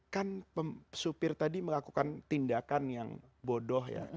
kan supir tadi melakukan tindakan yang bodoh ya